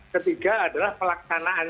ketiga adalah pelaksanaan